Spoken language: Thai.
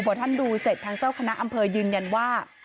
พอท่านดูเสร็จทางเจ้าคณะอำเภอยืนยันว่า